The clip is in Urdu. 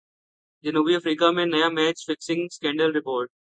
جنوبی افریقہ میں نیا میچ فکسنگ سکینڈل رپورٹ